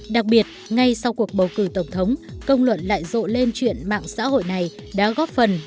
đặc biệt ngay sau cuộc bầu cử tổng thống công luận lại rộ lên chuyện mạng xã hội này đã góp phần